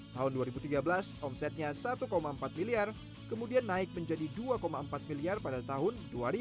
tahun dua ribu tiga belas omsetnya satu empat miliar kemudian naik menjadi dua empat miliar pada tahun dua ribu dua